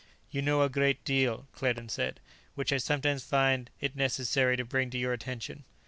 "You know a great deal," Claerten said, "which I sometimes find it necessary to bring to your attention."